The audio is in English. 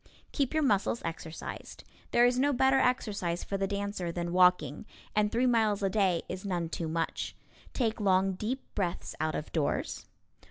Keep your muscles exercised. There is no better exercise for the dancer than walking, and three miles a day is none too much. Take long deep breaths out of doors.